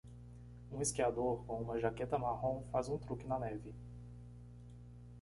Um esquiador com uma jaqueta marrom faz um truque na neve.